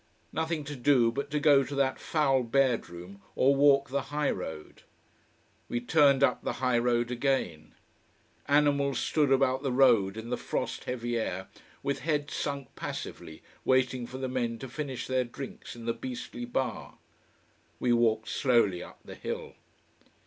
Nothing to do but to go to that foul bedroom or walk the high road. We turned up the high road again. Animals stood about the road in the frost heavy air, with heads sunk passively, waiting for the men to finish their drinks in the beastly bar we walked slowly up the hill.